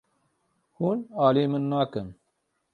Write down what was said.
Hûn alî min nakin.